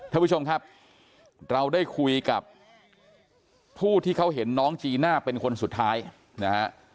ท่านผู้ชมครับเราได้คุยกับผู้ที่เขาเห็นน้องจีน่าเป็นคนสุดท้ายนะฮะ